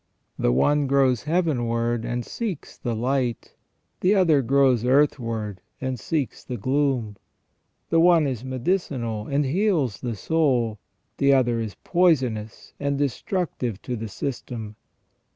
The one grows heavenward and seeks the light, the other grows earthward and seeks the gloom. The one is medicinal and heals the soul, the other is poisonous and destructive to the system.